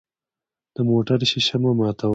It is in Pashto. د موټر شیشه مه ماتوه.